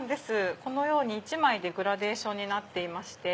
このように１枚でグラデーションになっていまして。